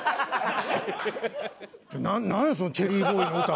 なんやそのチェリーボーイの歌は。